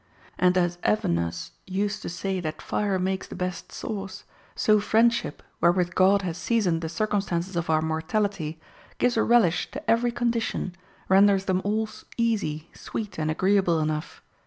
And as Evenus used to say that fire makes the best sauce, so friendship, wherewith God has seasoned the circumstances of our mortality, gives a relish to every condition, renders them all easy, sweet, and agreeable enough.